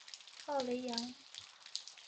奥雷扬。